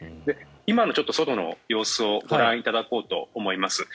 今の外の様子をご覧いただこうと思います。